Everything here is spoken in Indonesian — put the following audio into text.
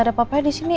ada papanya di sini